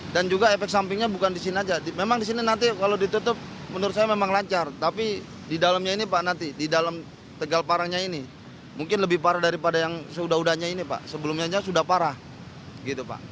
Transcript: dan juga efek sampingnya bukan disini aja memang disini nanti kalau ditutup menurut saya memang lancar tapi di dalamnya ini pak nanti di dalam tegal parangnya ini mungkin lebih parah daripada yang seudah udahnya ini pak sebelumnya sudah parah gitu pak